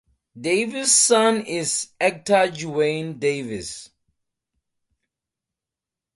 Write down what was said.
Davis' son is actor Duane Davis.